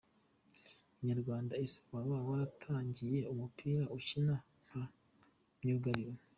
Inyarwanda: Ese waba waratangiye umupira ukina nka myugariro?.